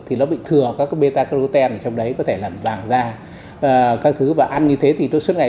thì nó bị thừa các cái beta carotene ở trong đấy có thể làm vàng da các thứ và ăn như thế thì nó suốt ngày